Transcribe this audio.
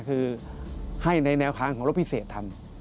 คือให้ในแนวทางของรถพิเศษทำ